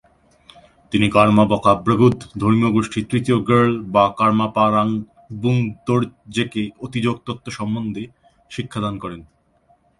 তিনি কার্মা-ব্কা'-ব্র্গ্যুদ ধর্মীয় গোষ্ঠীর তৃতীয় র্গ্যাল-বা-কার্মা-পা রাং-'ব্যুং-র্দো-র্জেকে অতিযোগ তত্ত্ব সম্বন্ধে শিক্ষাদান করেন।